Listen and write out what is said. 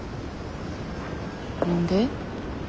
何で？